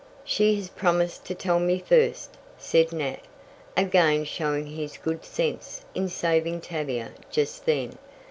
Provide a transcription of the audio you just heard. "She has promised to tell me first," said Nat, again showing his good sense in saving Tavia just then.